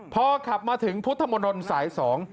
พอขับมาถึงพุทธมนตรสายสอง